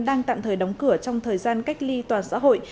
đang tạm thời đóng cửa trong thời gian cách ly toàn xã hội